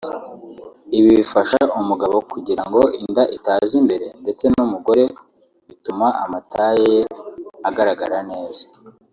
Ibi bifasha umugabo kugira ngo inda itaza imbere ndetse n’umugore bituma amataye ye agaragara neza